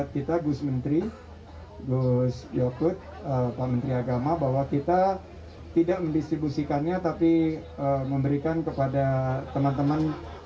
kita tidak mendistribusikannya tapi memberikan kepada teman teman